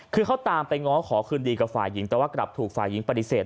คือเขาตามไปง้อขอคืนดีกับฝ่ายหญิงแต่ว่ากลับถูกฝ่ายหญิงปฏิเสธ